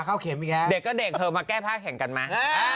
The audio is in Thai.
เด็กก็เด็กเถอะม่าแก้พระแข่งกันมา